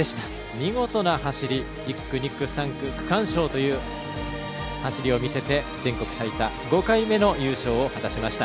見事な走り、１区、２区、３区区間賞という走りを見せて全国最多５回目の優勝を果たしました。